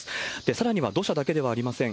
さらには土砂だけではありません。